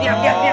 diam diam diam